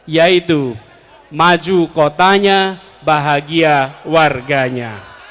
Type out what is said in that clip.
yaitu maju kotanya bahagia warganya